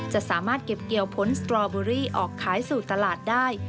จะสามารถเก็บเกี่ยวผลสตรอเบอรี่ออกขายสู่ตลาดได้